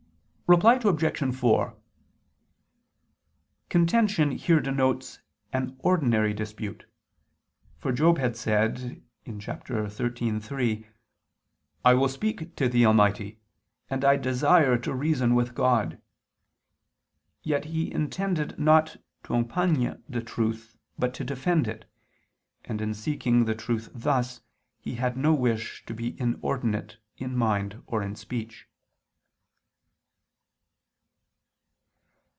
Reply Obj. 4: Contention here denotes an ordinary dispute. For Job had said (13:3): "I will speak to the Almighty, and I desire to reason with God": yet he intended not to impugn the truth, but to defend it, and in seeking the truth thus, he had no wish to be inordinate in mind or in speech.